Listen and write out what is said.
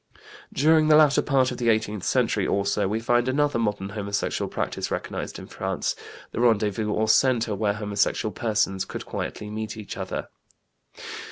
During the latter part of the eighteenth century, also, we find another modern homosexual practice recognized in France; the rendezvous or center where homosexual persons could quietly meet each other.